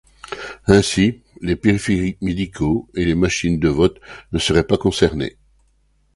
Ainsi, les périphériques médicaux et les machines de vote ne seraient pas concernées.